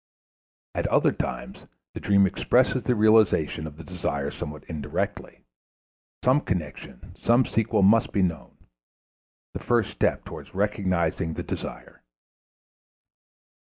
At other times the dream expresses the realization of the desire somewhat indirectly; some connection, some sequel must be known the first step towards recognizing the desire.